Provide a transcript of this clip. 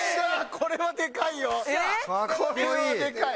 これはでかい。